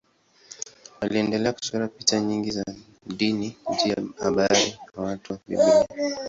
Aliendelea kuchora picha nyingi za dini juu ya habari na watu wa Biblia.